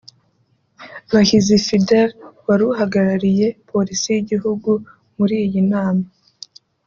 Bahizi Fidèle wari uhagarariye Polisi y’Igihugu muri iyi nama